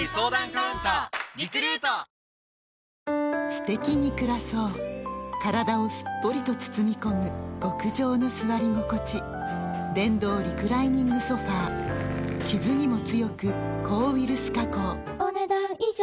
すてきに暮らそう体をすっぽりと包み込む極上の座り心地電動リクライニングソファ傷にも強く抗ウイルス加工お、ねだん以上。